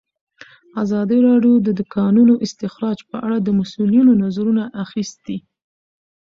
ازادي راډیو د د کانونو استخراج په اړه د مسؤلینو نظرونه اخیستي.